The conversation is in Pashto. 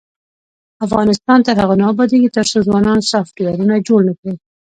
افغانستان تر هغو نه ابادیږي، ترڅو ځوانان سافټویرونه جوړ نکړي.